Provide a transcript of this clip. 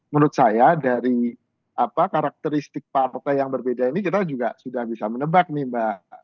menurut saya dari karakteristik partai yang berbeda ini kita juga sudah bisa menebak nih mbak